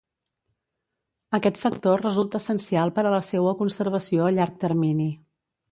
Aquest factor resulta essencial per a la seua conservació a llarg termini.